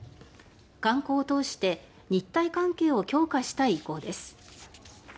観光を通して日台関係を強化したい意向です。